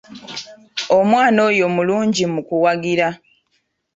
Omwana oyo mulungi mu kuwagira.